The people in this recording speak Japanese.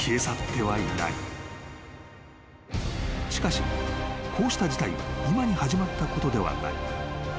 ［しかしこうした事態は今に始まったことではない］